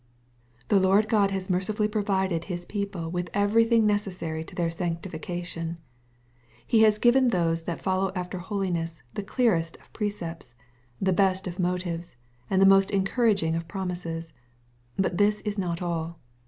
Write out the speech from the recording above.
The Lord God has mercifully provided His people with everything necessary to their sanctification. He has given those who follow after holiness the clearest of pre cepts, the best of motives, and the most encouraging of promises. But this is not all.